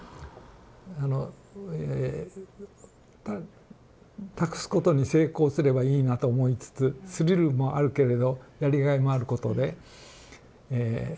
あの託すことに成功すればいいなと思いつつスリルもあるけれどやりがいもあることで。